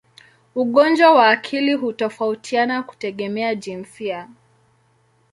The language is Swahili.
Ugonjwa wa akili hutofautiana kutegemea jinsia.